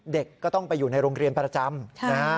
เด็กก็ต้องไปอยู่ในโรงเรียนประจำนะฮะ